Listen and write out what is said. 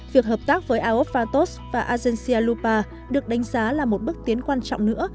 việc hợp tác với alphatos và agencia lupa được đánh giá là một bước tiến quan trọng nữa